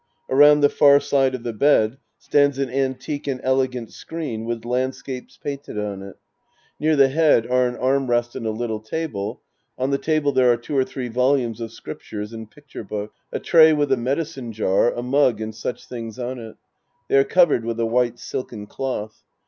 Around the far side of the bed stands an antique and elegant screen with landscapes painted on Sc. II The Priest and His Disciples 221 it. Near the head are an arm rest and a little table ; on the table there are two or three volumes of scrip tures and picture books. A tray with a medicine jar, a mug and such things on it. They are covered with a white silken cloth.